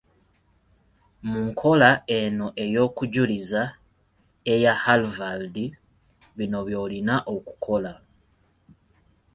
Mu nkola eno ey’okujuliza, eya Halvald, bino by’olina okukola.